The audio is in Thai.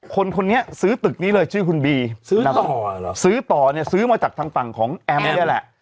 คนคนนี้ซื้อตึกนี้เลยชื่อคุณบีซื้อต่อเนี่ยซื้อมาจากทางฝั่งของแอมเนี่ยแหละ